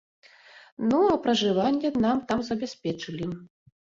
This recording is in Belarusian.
Ну, а пражыванне нам там забяспечылі.